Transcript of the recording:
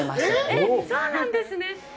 えっ、そうなんですね。